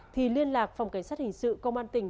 thì liên lạc phòng cảnh sát hình sự công an tỉnh